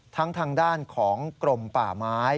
ทางด้านของกรมป่าไม้